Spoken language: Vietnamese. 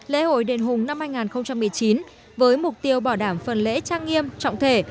lễ hội đền hùng năm hai nghìn một mươi chín với mục tiêu bảo đảm phần lễ trang nghiêm trọng thể